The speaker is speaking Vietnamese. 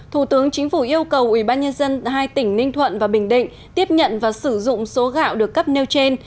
thủ tướng chính phủ yêu cầu ubnd hai tỉnh ninh thuận và bình định tiếp nhận và sử dụng số gạo được cấp nêu trên